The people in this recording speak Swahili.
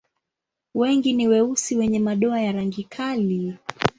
Wengi ni weusi wenye madoa ya rangi kali.